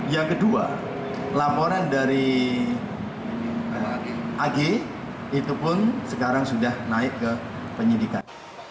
yang kedua laporan dari ag itu pun sekarang sudah naik ke penyidikan